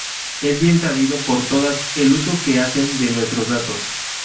Es bien sabido por todas el uso que hacen de nuestros datos